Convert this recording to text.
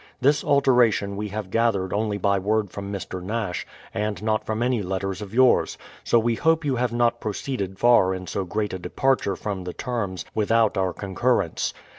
This alteration we have gathered only by w^ord from. Mr. Nash, and not from any letters of yours ; so we hope you have not pro ceeded far in so great a departure from the terms without our concurrence.